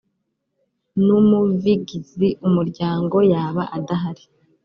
n umuvigizi umuryango yaba adahari